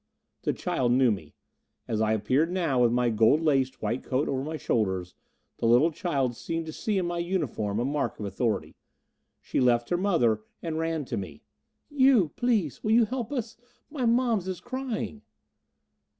The child knew me. As I appeared now, with my gold laced white coat over my shoulders, the little child seemed to see in my uniform a mark of authority. She left her mother and ran to me. "You, please you will help us? My moms is crying."